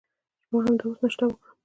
ما همدا اوس ناشته وکړه.